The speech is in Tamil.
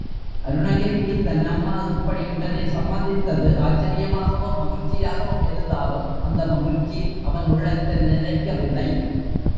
அருணகிரிக்கு தன் அம்மா இப்படி உடனே சம்மதித்தது ஆச்சரியமாகவும் மகிழ்ச்சியாகவும இருந்தாலும் அந்த மகிழ்ச்சி அவன் உள்ளத்தில் நிலைக்கவில்லை.